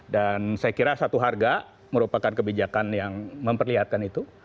saya kira satu harga merupakan kebijakan yang memperlihatkan itu